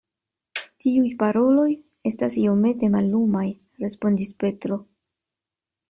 Tiuj paroloj estas iomete mallumaj, respondis Petro.